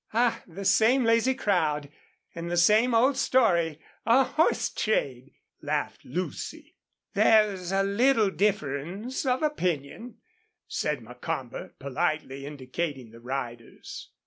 "Ah! the same lazy crowd and the same old story a horse trade!" laughed Lucy. "There's a little difference of opinion," said Macomber, politely indicating the riders.